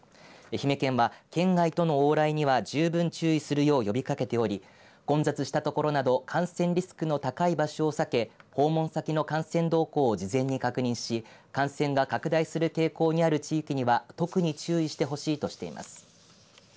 愛媛県は県外との往来には十分注意するよう呼びかけており混雑した所など感染リスクの高い場所を避け訪問先の感染動向を確認し感染が拡大にする傾向がある地域には特に注意してほしいと呼びかけています。